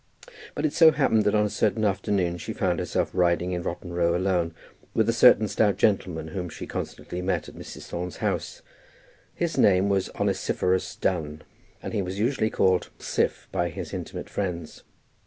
But it so happened that on a certain afternoon she found herself riding in Rotten Row alone with a certain stout gentleman whom she constantly met at Mrs. Thorne's house. His name was Onesiphorus Dunn, and he was usually called Siph by his intimate friends.